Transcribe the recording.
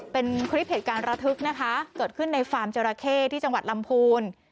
เป็นคลิปเหตุการณ์ระทึกนะคะเกิดขึ้นในฟาร์มจราเข้ที่จังหวัดลำพูน